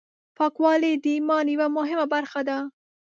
پاکوالی د ایمان یوه مهمه برخه ده.